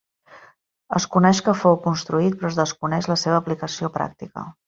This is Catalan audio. Es coneix que fou construït, però es desconeix la seva aplicació pràctica.